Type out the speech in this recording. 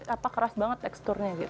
apa keras banget teksturnya gitu